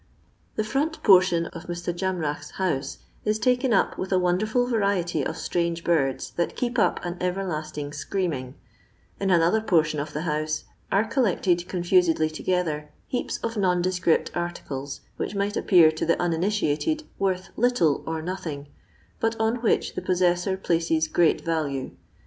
The firont portion of Mr. JaB rach's house is taken up with a wonderful variety of strange birds that keep up an averlastii^ screaming ; in another portion of the honaa ara collected confusedly togeUier heaps of nondescript articles, which might appear to the uninitkted worth little or nothing, but on which theposaeaser places great value.